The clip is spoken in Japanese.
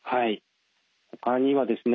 ほかにはですね